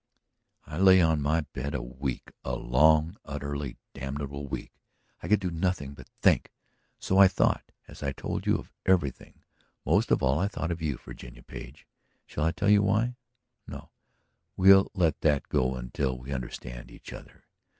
"I lay on my bed a week, a long, utterly damnable week. I could do nothing but think. So I thought, as I told you, of everything. Most of all I thought of you, Virginia Page. Shall I tell you why? No; we'll let that go until we understand each other.